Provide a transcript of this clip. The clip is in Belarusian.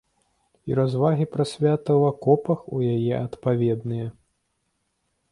І развагі пра свята ў акопах у яе адпаведныя.